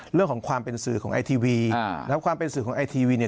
เรื่องของความเป็นสื่อของไอทีวี